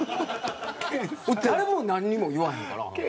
誰もなんにも言わへんから。